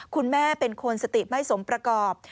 คุณแม่เป็นคนสติไม่สมประกอบ